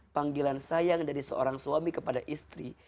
panggilan sayang dari seorang suami kepada istri